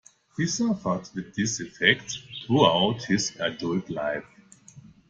He suffered with its effects throughout his adult life.